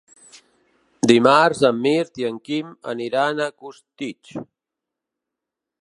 Dimarts en Mirt i en Quim aniran a Costitx.